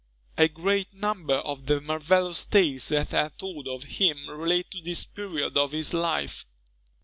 A great number of the marvellous tales that are told of him relate to this period of his life.